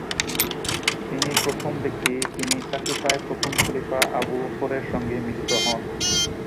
তিনি প্রথম ব্যক্তি যিনি সাকিফায় প্রথম খলিফা আবু বকর এর সঙ্গে মিলিত হন।